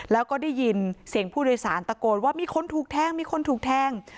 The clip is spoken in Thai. แล้วก็ได้ยินเสียงผู้โดยสารตะโกนว่ามีคนถูกแทงมีคนถูกแทง